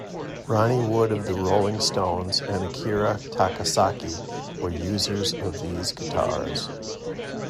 Ronnie Wood of The Rolling Stones and Akira Takasaki were users of these guitars.